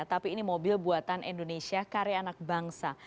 tapi ini mobil buatan indonesia karya anak bangsa